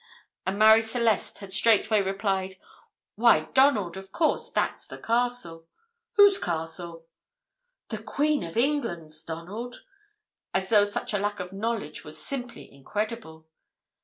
and Marie Celeste had straightway replied, "Why, Donald, of course that's the castle!" "Whose castle?" "The Queen of England's, Donald!" as though such a lack of knowledge was simply incredible.